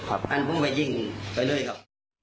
อันนั้นเพิ่งไปยิงไปล่อยครับ